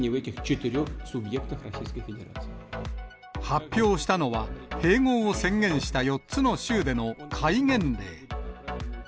発表したのは、併合を宣言した４つの州での戒厳令。